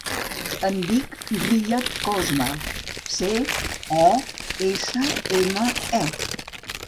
Em dic Riyad Cosme: ce, o, essa, ema, e.